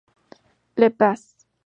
Le Pas